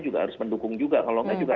juga harus mendukung juga kalau enggak juga